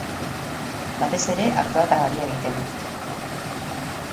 Batez ere, artoa eta garia egiten da.